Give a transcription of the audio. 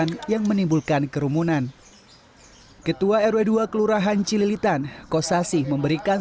membuat kegiatan yang menimbulkan kerumunan ketua rw dua kelurahan cililitan kosasi memberikan